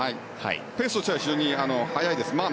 ペースとしては非常に速いです。